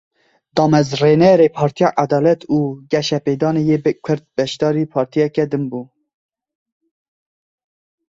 Damezrênerê Partiya Edalet û Geşepêdanê yê Kurd beşdarî partiyeke din bû.